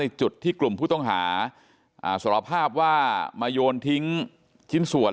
จุดที่กลุ่มผู้ต้องหาสารภาพว่ามาโยนทิ้งชิ้นส่วน